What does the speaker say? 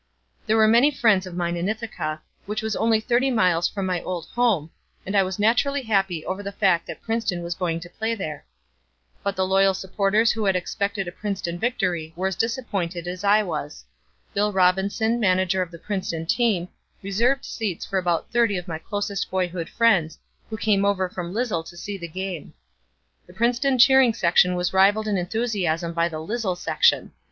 There were many friends of mine in Ithaca, which was only thirty miles from my old home, and I was naturally happy over the fact that Princeton was going to play there. But the loyal supporters who had expected a Princeton victory were as disappointed as I was. Bill Robinson, manager of the Princeton team, reserved seats for about thirty of my closest boyhood friends who came over from Lisle to see the game. The Princeton cheering section was rivalled in enthusiasm by the "Lisle section."